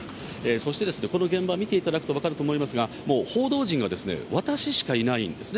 そして、この現場見ていただくと分かると思いますが、もう報道陣が私しかいないんですね。